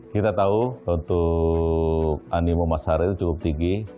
kita tahu untuk animo masyarakat itu cukup tinggi